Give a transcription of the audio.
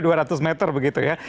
lumayan juga dua ratus meter begitu ya